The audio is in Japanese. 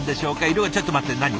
色はちょっと待って何？